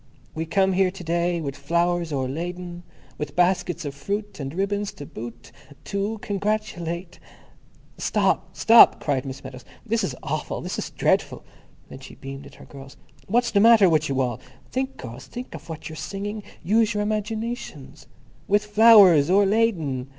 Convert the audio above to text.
We come here To day with Flowers o'erladen, With Baskets of Fruit and Ribbons to boot, To oo Congratulate ... "Stop! Stop!" cried Miss Meadows. "This is awful. This is dreadful." And she beamed at her girls. "What's the matter with you all? Think, girls, think of what you're singing. Use your imaginations. _With Flowers o'erladen.